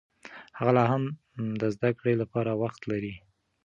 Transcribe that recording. هغه لا هم د زده کړې لپاره وخت لري.